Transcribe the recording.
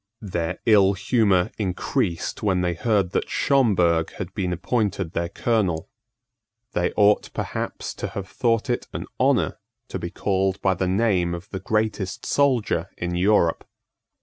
Their ill humour increased when they heard that Schomberg had been appointed their colonel. They ought perhaps to have thought it an honour to be called by the name of the greatest soldier in Europe.